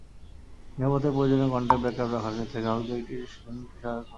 নিরাপদে প্রয়োজনীয় contact backup রাখার ক্ষেত্রে গ্রাহকদের জন্য এটি সহায়ক হবে।